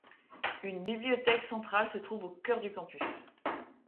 Une bibliothèque centrale se trouve au cœur du campus.